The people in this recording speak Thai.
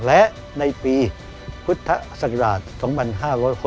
และในปีพุทธศักราช๒๕๖๖